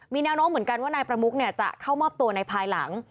มีแนวโน้มเหมือนกันว่านายประมุกจะเข้ามอบตัวในภายหลัง